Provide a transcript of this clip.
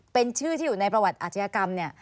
เป็นชื่อที่อยู่ในประวัติอาชญากรรมเนี่ย